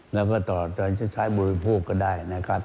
แล้วก็ต่อตอนจะใช้บริโภคก็ได้นะครับ